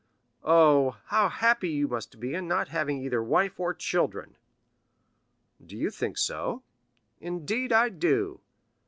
Oh, how happy you must be in not having either wife or children!" "Do you think so?" "Indeed I do."